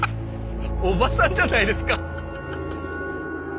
おばさんじゃないですか！